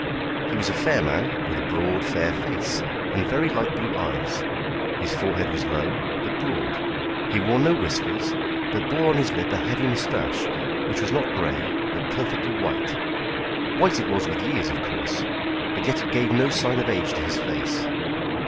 He was a fair man, with a broad fair face, and very light blue eyes; his forehead was low, but broad; he wore no whiskers, but bore on his lip a heavy moustache which was not grey, but perfectly white white it was with years of course, but yet it gave no sign of age to his face.